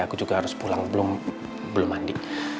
aku juga harus pulang belum mandi